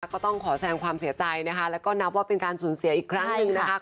ก็ต้องขอแสงความเสียใจนะคะแล้วก็นับว่าเป็นการสูญเสียอีกครั้งหนึ่งนะคะ